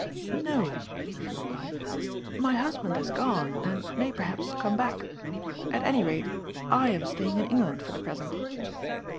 "No," she replied, "my husband has gone and may, perhaps, come back. At any rate, I am staying in England for the present."